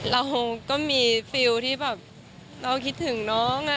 เราก็มีฟิลที่แบบเราคิดถึงน้อง